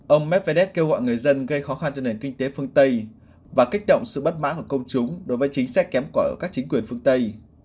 ông medvedev kêu gọi người dân gây khó khăn cho nền kinh tế phương tây và kích động sự bất mãn của công chúng đối với chính sách kém của các chính quyền phương tây